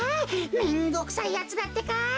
めんどくさいやつだってか。